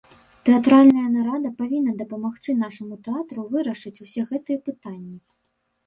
Тэатральная нарада павінна дапамагчы нашаму тэатру вырашыць усе гэтыя пытанні.